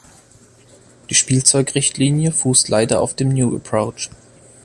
Die Spielzeugrichtlinie fußt leider auf dem new approach.